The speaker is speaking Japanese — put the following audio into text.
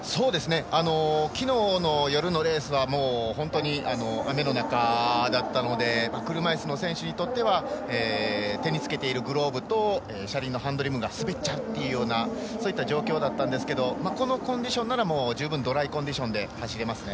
昨日の夜のレースは本当に雨の中だったので車いすの選手にとっては手につけているグローブと車輪のハンドリングが滑っちゃうというようなそういった状況でしたがこのコンディションならもう十分ドライコンディションで走れますね。